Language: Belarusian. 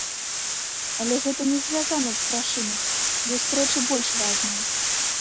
Але гэта не звязана з грашыма, ёсць рэчы больш важныя.